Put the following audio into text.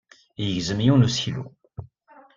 Yegzem yiwen n useklu.